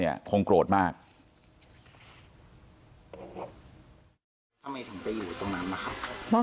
ทีนี้ก็ต้องถามคนกลางหน่อยกันแล้วกัน